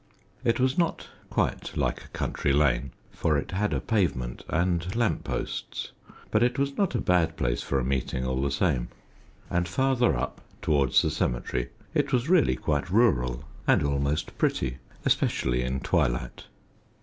It was not quite like a country lane, for it had a pavement and lamp posts, but it was not a bad place for a meeting all the same; and farther up, towards the cemetery, it was really quite rural, and almost pretty, especially in twilight.